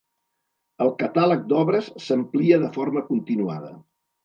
El catàleg d'obres s’amplia de forma continuada.